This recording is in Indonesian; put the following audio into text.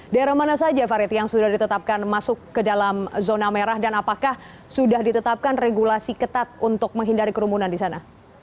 daerah mana saja farid yang sudah ditetapkan masuk ke dalam zona merah dan apakah sudah ditetapkan regulasi ketat untuk menghindari kerumunan di sana